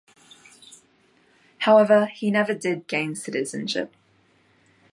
However, he never did gain citizenship.